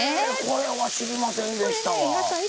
これは知りませんでしたわ。